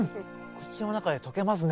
口の中で溶けますね。